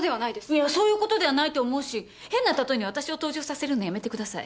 いやそういうことではないと思うし変な例えに私を登場させるのやめてください。